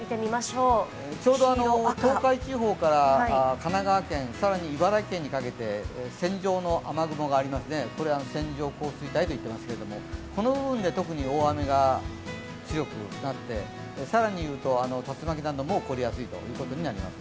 東海地方から神奈川県、更に茨城県にかけて線状の雨雲がありますね、これを線状降水帯と言っていますけれども、この部分で特に大雨が強くなって、更に言うと竜巻なども起こりやすいとういことになります。